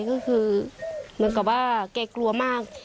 ก็คือเหมือนกับว่าแกกลัวมาก